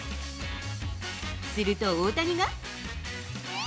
すると大谷が。